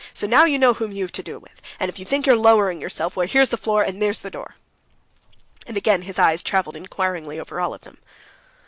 So now you know whom you've to do with. And if you think you're lowering yourself, well, here's the floor, there's the door." And again his eyes traveled inquiringly over all of them.